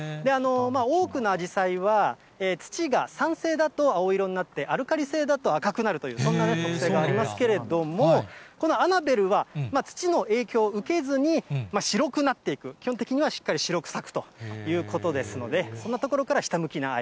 多くのあじさいは、土が酸性だと青色になって、アルカリ性だと赤くなるという、そんな特性がありますけれども、このアナベルは、土の影響を受けずに、白くなっていく、基本的にはしっかり白く咲くということですので、そんなところから、ひたむきな愛。